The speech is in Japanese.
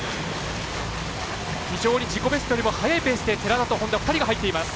非常に自己ベストよりも速いペースで寺田と本多の２人が入っています。